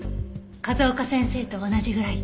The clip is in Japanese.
風丘先生と同じぐらい。